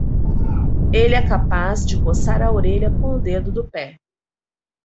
Ele é capaz de coçar a orelha com o dedo do pé.